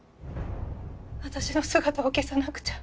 私の姿を消さなくちゃ